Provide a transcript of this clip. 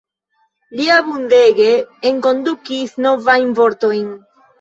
Li abundege enkondukis novajn vortojn.